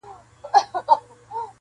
یوازي له منصور سره لیکلی وو ښاغلی!!